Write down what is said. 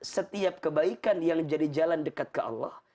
setiap kebaikan yang jadi jalan dekat ke allah